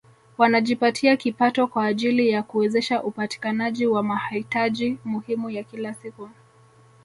Wanajipatia kipato kwa ajili ya kuwezesha upatikanaji wa mahitaji muhimu ya kila siku